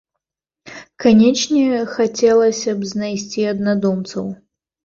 Канечне, хацелася б знайсці аднадумцаў.